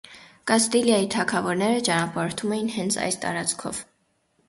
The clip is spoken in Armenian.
Կաստիլիայի թագավորները ճանապարհորդում էին հենց այս տարածքով։